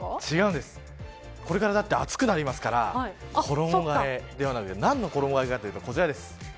これから暑くなりますから衣替えではなくて何の衣替えかというとこちらです。